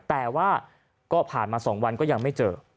แต่ว่าก็ผ่านมา๒วันก็ยังไม่เจอ